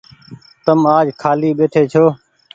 آج تم کآلي ٻيٺي ڇو۔